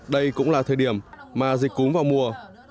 đây cũng là thời điểm mà dịch cúm vào mùa